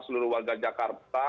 seluruh warga jakarta